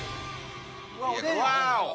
ワオ！